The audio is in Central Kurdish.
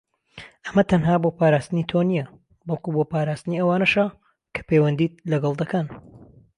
ئەمە تەنها بۆ پاراستنی تۆ نیە، بەڵکو بۆ پاراستنی ئەوانەشە کە پیوەندیت لەگەڵ دەکەن.